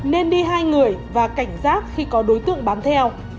nên đi hai người và cảnh giác khi có đối tượng bám theo